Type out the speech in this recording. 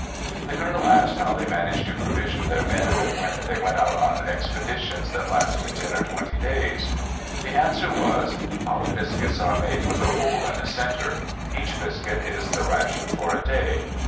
The Colonel asked how they managed to provision their men when they went out on expeditions that lasted ten or twenty days. The answer was: "Our biscuits are made with a hole in the centre. Each biscuit is the ration for a day.